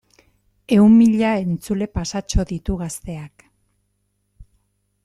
Ehun mila entzule pasatxo ditu Gazteak.